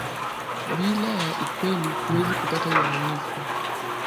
Bila ya ukweli huwezi kupata uaminifu